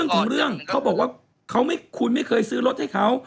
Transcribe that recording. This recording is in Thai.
คุณไม่เคยซื้อรถให้เขา